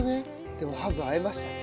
でもハブ会えましたね。